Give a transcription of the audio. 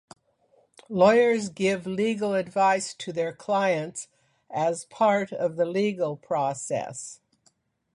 Lawyers give legal advice to their clients as part of the legal process.